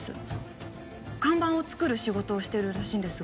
看板を作る仕事をしてるらしいんですが。